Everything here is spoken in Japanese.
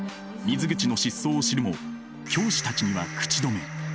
水口の失踪を知るも教師たちには口止め。